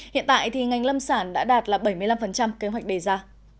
hiện tại ngành lâm sản đã đạt bảy mươi năm kế hoạch đề ra